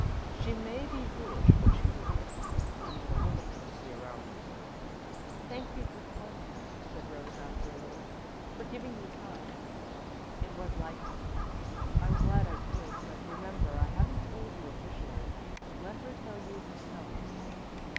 She may be foolish, but she's a woman, and even a woman can see around a corner." "Thank you for telling me," said Rose, after a little; "for giving me time. It was like you." "I'm glad I could, but remember, I haven't told you, officially. Let her tell you herself."